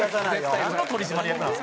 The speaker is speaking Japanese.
なんの取締役なんですか。